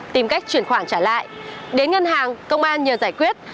tìm cách chuyển khoản trả lại đến ngân hàng công an nhờ giải quyết